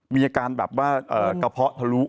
มีอาการแบบว่ากระเพาะทะลุ